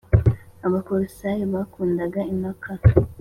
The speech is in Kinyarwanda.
Abakolosayi bakundaga impaka